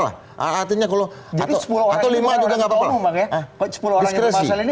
jadi sepuluh orang yang di pasal ini